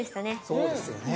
そうですよね。